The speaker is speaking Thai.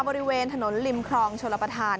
บริเวณถนนริมครองชลประธาน